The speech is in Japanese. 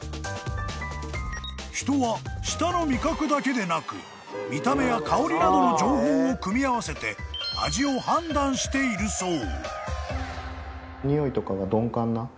［人は舌の味覚だけでなく見た目や香りなどの情報を組み合わせて味を判断しているそう］